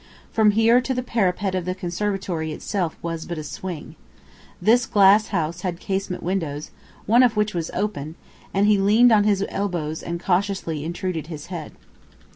From here to the parapet of the conservatory itself was but a swing. This glass house had casement windows, one of which was open, and he leaned on his elbows and cautiously intruded his head.